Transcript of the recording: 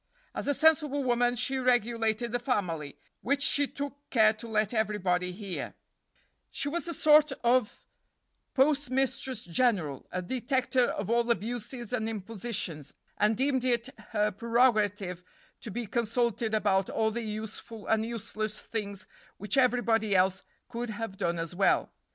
As a sensible woman she regulated the family, which she took care to let everybody hear; she was a sort of postmistress general, a detector of all abuses and impositions, and deemed it her prerogative to be consulted about all the useful and useless things which everybody else could have done as well.